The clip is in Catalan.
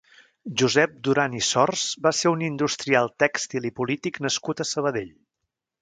Josep Duran i Sors va ser un industrial tèxtil i polític nascut a Sabadell.